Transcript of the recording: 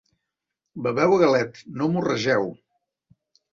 Beveu a galet: no morregeu.